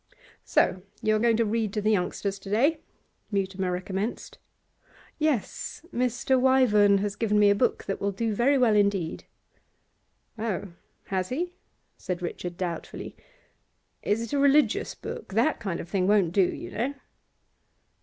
'So you are going to read to the youngsters to day?' Mutimer recommenced. 'Yes; Mr. Wyvern has given me a book that will do very well indeed.' 'Oh, has he?' said Richard doubtfully. 'Is it a religious book? That kind of thing won't do, you know.